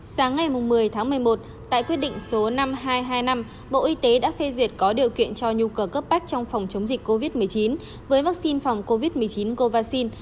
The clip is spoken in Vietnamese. sáng ngày một mươi tháng một mươi một tại quyết định số năm nghìn hai trăm hai mươi năm bộ y tế đã phê duyệt có điều kiện cho nhu cầu cấp bách trong phòng chống dịch covid một mươi chín với vaccine phòng covid một mươi chín covaxin